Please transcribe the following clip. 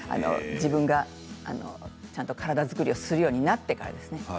自分がちゃんと体作りをするようになってからですね。